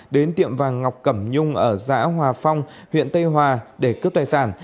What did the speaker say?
đến tiệm vàng ngọc cẩm nhung ở xã hòa phong huyện tây hòa để cướp tài sản